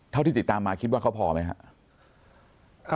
เท่าที่ติดตามมาคิดว่าเขาพอไหมครับ